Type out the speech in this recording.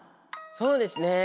そうですね。